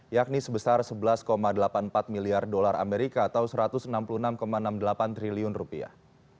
yakni sebesar sebelas delapan puluh empat miliar dolar amerika atau satu ratus enam puluh enam enam puluh delapan triliun rupiah